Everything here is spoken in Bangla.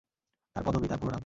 তার পদবী, তার পুরো নাম।